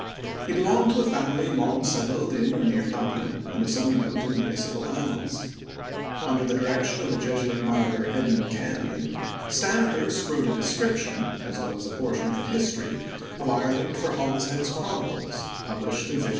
He belonged to a family long settled in or near Dublin and of some note in municipal annals. Under the direction of the Jesuit martyr, Edmund Campion, Stanyhurst wrote a Description, as well as a portion of the History, of Ireland for Holinshed's Chronicles, published in 1577.